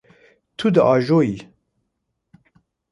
Tu diajoyî.